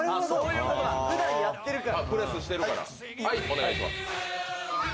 ふだんやってるから。